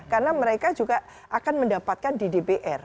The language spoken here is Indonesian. karena mereka juga akan mendapatkan di dpr